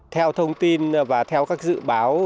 theo thông tin và theo các dự báo